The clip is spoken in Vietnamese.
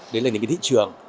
đến nền kinh tế thị trường